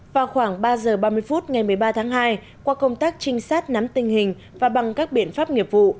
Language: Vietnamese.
vào khoảng ba giờ ba mươi phút ngày một mươi ba tháng hai qua công tác trinh sát nắm tình hình và bằng các biện pháp nghiệp vụ